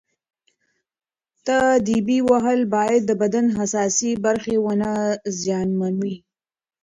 تاديبي وهل باید د بدن حساسې برخې ونه زیانمنوي.